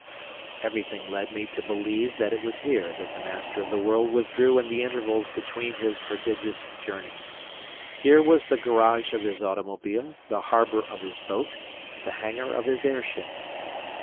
Everything led me to believe that it was here that the Master of the World withdrew in the intervals between his prodigious journeys. Here was the garage of his automobile; the harbor of his boat; the hangar of his air ship.